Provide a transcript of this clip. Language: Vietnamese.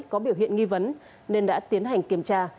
có biểu hiện nghi vấn nên đã tiến hành kiểm tra